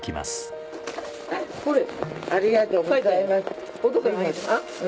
ありがとうございます。